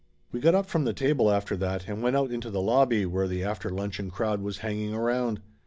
" We got up from the table after that and went out into the lobby where the after luncheon crowd was hanging around.